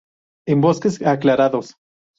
En bosques aclarados.